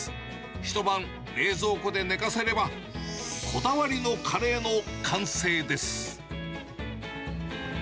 一晩冷蔵庫で寝かせれば、こだわりのカレーの完成です。